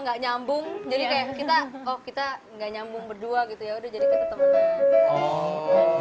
nyambung jadi kayak kita kok kita nggak nyambung berdua gitu ya udah jadi ketemu